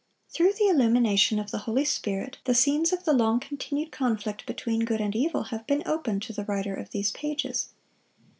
Through the illumination of the Holy Spirit, the scenes of the long continued conflict between good and evil have been opened to the writer of these pages.